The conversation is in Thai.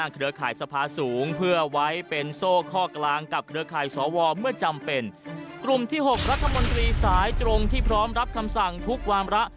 ข้อกลางกับเครือค่ายสวเวิร์ดเมื่อจำเป็นกลุ่มที่หกรัฐมนตรีสายตรงที่พร้อมรับคำสั่งทุกความระ